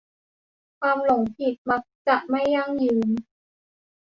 ความหลงผิดมักจะไม่ยั่งยืน